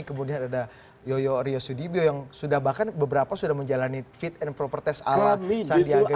kemudian ada yoyo riosudibio yang sudah bahkan beberapa sudah menjalani fit and proper test ala sadiaga itu gimana